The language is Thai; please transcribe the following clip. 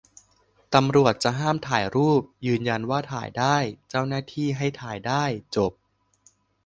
ตำรวจจะห้ามถ่ายรูป ยืนยันว่าถ่ายได้ เจ้าหน้าที่ให้ถ่ายได้ จบ